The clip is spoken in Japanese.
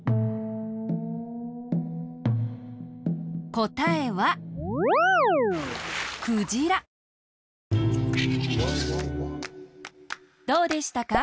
こたえはどうでしたか？